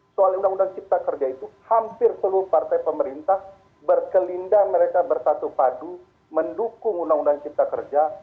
soal undang undang cipta kerja itu hampir seluruh partai pemerintah berkelinda mereka bersatu padu mendukung undang undang cipta kerja